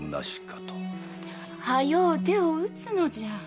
早う手を打つのじゃ。